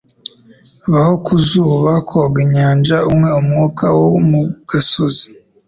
Baho ku zuba, koga inyanja, unywe umwuka wo mu gasozi.”